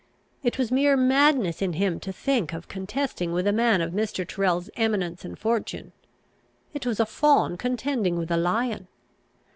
It was mere madness in him to think of contesting with a man of Mr. Tyrrel's eminence and fortune. It was a fawn contending with a lion.